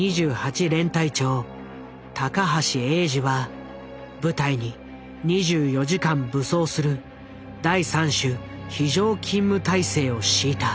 連隊長高橋永二は部隊に２４時間武装する第三種非常勤務態勢を敷いた。